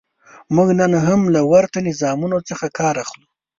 موږ نن هم له ورته نظامونو څخه کار اخلو.